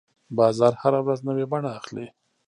بازار هره ورځ نوې بڼه اخلي.